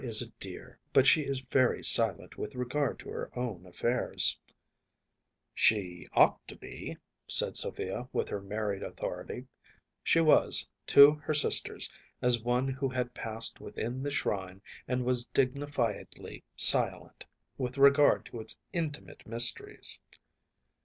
“Eudora is a dear, but she is very silent with regard to her own affairs.‚ÄĚ “She ought to be,‚ÄĚ said Sophia, with her married authority. She was, to her sisters, as one who had passed within the shrine and was dignifiedly silent with regard to its intimate mysteries.